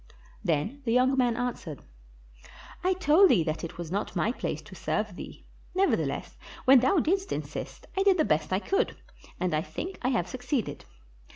Then the young man answered, "I told thee that it was not my place to serve thee; nevertheless when thou 572 STORIES FROM THE TALMUD didst insist I did the best I could, and I think I have suc ceeded.